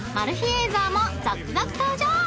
映像も続々登場！］